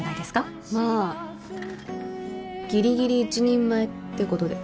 まあぎりぎり一人前ってことで。